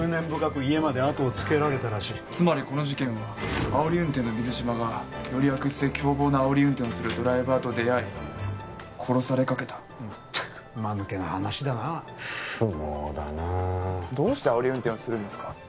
深く家まであとをつけられたらしいつまりこの事件はあおり運転の水島がより悪質で凶暴なあおり運転をするドライバーと出会い殺されかけたまったく間抜けな話だなあ不毛だなどうしてあおり運転をするんですか？